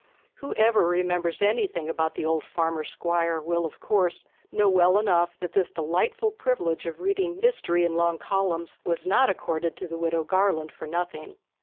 Whoever remembers anything about the old farmer squire will, of course, know well enough that this delightful privilege of reading history in long columns was not accorded to the Widow Garland for nothing.